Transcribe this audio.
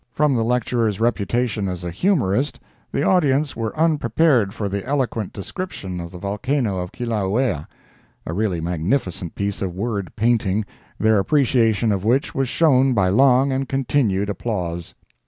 From the lecturer's reputation as a humorist, the audience were unprepared for the eloquent description of the volcano of Kilauea, a really magnificent piece of word painting, their appreciation of which was shown by long and continued applause.